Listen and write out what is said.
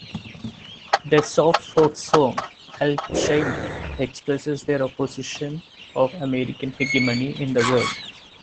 Their soft folk song, "Alzheimer" expresses their opposition of American hegemony in the world.